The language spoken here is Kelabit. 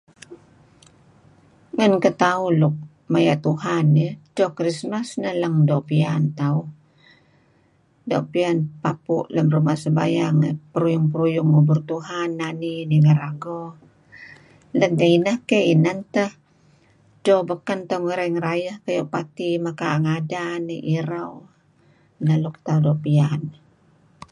Ngen ketauh luk maya Tuhan eh, edto Christmas , neh leng-leng doo' piyan tauh. Doo' piyan papu' lem ruma' sembayang dih peruyung-peruyung ngubur Tuhan nani ninger ago ' Let ngen idah inan teh edto beken tu'en tauh ngerayeh-ngerayeh ngadan men, kayu' party mekaa' ngadan , irau, neh luk tauh doo' piyan eh.